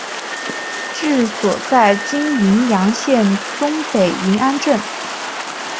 治所在今云阳县东北云安镇。